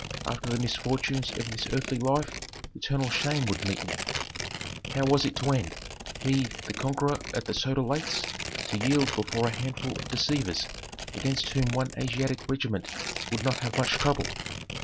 After the misfortunes of this earthly life eternal shame would meet me. How was it to end? He, the conqueror at the Soda Lakes, to yield before a handful of deceivers against whom one Asiatic regiment would not have much trouble?